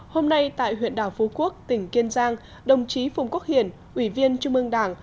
hôm nay tại huyện đảo phú quốc tỉnh kiên giang đồng chí phùng quốc hiển ủy viên trung ương đảng